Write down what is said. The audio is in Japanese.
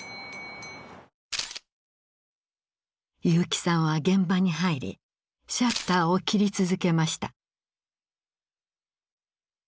結城さんは現場に入りシャッターを切り続けました。